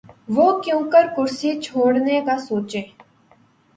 وہ کیونکر کرسی چھوڑنے کا سوچیں؟